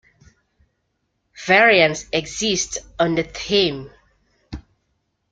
Variants exist on the theme.